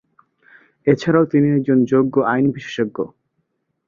এছাড়াও তিনি একজন যোগ্য আইন বিশেষজ্ঞ।